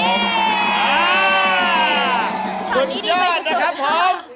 ยอดนะครับผม